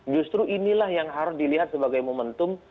justru inilah yang harus dilihat sebagai momentum